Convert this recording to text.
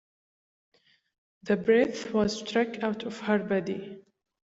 The breath was struck out of her body.